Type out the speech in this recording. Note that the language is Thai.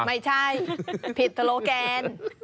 ไม่ใช่ผิดโลแกน